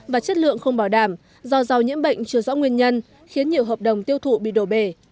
và chất lượng không bảo đảm do rau nhiễm bệnh chưa rõ nguyên nhân khiến nhiều hợp đồng tiêu thụ bị đổ bể